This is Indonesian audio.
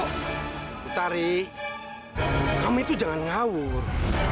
putari kamu itu jangan ngawur